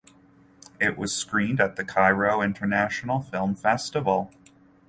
It was screened at the Cairo International Film Festival.